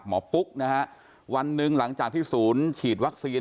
ปุ๊กนะฮะวันหนึ่งหลังจากที่ศูนย์ฉีดวัคซีน